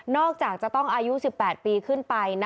จากจะต้องอายุ๑๘ปีขึ้นไป